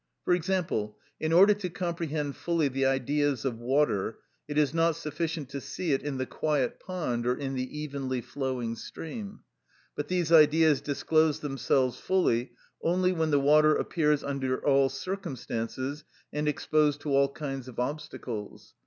For example, in order to comprehend fully the Ideas of water it is not sufficient to see it in the quiet pond or in the evenly flowing stream; but these Ideas disclose themselves fully only when the water appears under all circumstances and exposed to all kinds of obstacles.